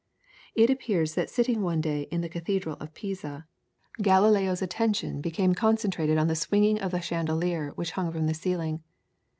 It appears that sitting one day in the Cathedral of Pisa, Galileo's attention became concentrated on the swinging of a chandelier which hung from the ceiling.